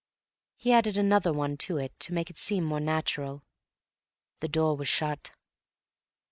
He added another one to it to make it seem more natural. The door was shut.